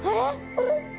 あれ？